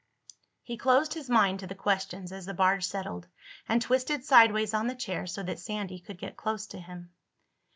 He closed his mind to the questions as the barge settled, and twisted sideways on the chair so that Sandy could get close to him.